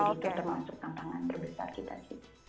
jadi itu termasuk tantangan terbesar kita sih